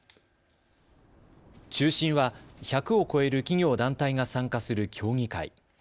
中心は１００を超える企業・団体が参加する協議会。